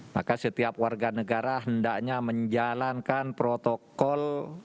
maka setiap warga negara hendaknya menjalankan protokol